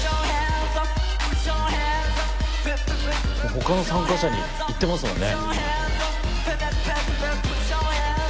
他の参加者にいってますもんね。